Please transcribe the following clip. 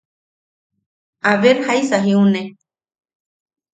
A ver jaisa jiune.